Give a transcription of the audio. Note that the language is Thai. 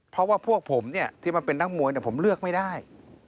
เพราะว่าพวกผมเนี่ยที่มันเป็นนักมวยผมเลือกไม่ได้